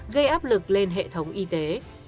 gây áp lực lên hệ thống y tế